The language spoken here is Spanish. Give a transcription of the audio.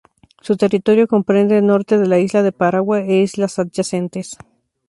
Su territorio comprende el norte de la isla de Paragua e islas adyacentes.